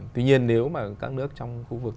tuy nhiên nếu mà các nước trong khu vực